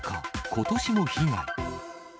ことしも被害。